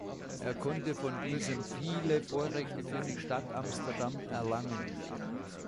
Er konnte von diesem viele Vorrechte für die Stadt Amsterdam erlangen.